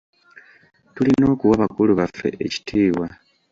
Tulina okuwa bakulu baffe ekitiibwa.